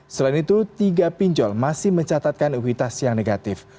selain itu tiga pinjol masih mencatatkan ivitas yang negatif